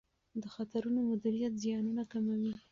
د خطرونو مدیریت زیانونه کموي.